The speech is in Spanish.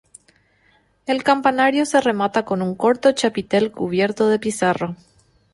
El campanario se remata con un corto chapitel cubierto de pizarra.